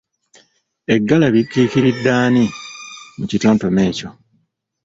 Eggalabi likiikiridde ani mu kitontome ekyo?